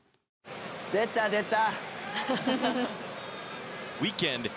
出た出た！